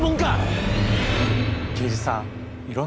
刑事さん。